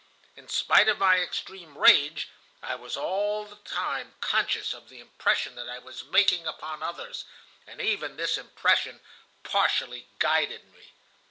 In spite of my extreme rage, I was all the time conscious of the impression that I was making upon others, and even this impression partially guided me.